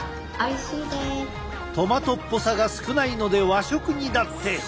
トマトっぽさが少ないので和食にだって！